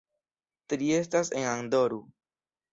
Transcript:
Tri estas en "Adoru".